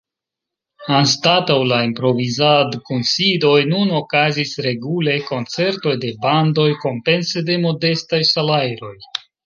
Anstataŭ la improvizad-kunsidoj nun okazis regule koncertoj de bandoj kompense de modestaj salajroj.